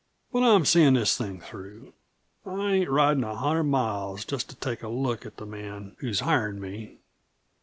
But I'm seein' this thing through. I ain't ridin' a hundred miles just to take a look at the man who's hirin' me.